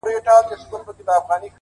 زما ځوانمرگ وماته وايي;